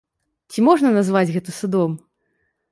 Ці можна назваць гэта судом?